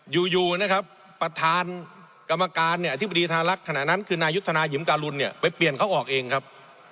อยู่นะครับประธานกรรมการเนี่ยอธิบดีธารักษ์ขณะนั้นคือนายุทธนายิมการุลเนี่ยไปเปลี่ยนเขาออกเองครับ